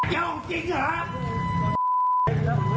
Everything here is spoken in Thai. เจ้าจริงเหรอ